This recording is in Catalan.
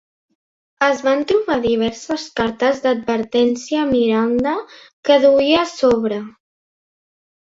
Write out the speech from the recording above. Es van trobar diverses cartes d'advertència Miranda que duia a sobre.